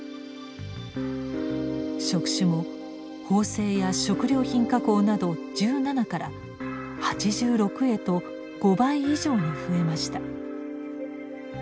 職種も縫製や食料品加工など１７から８６へと５倍以上に増えました。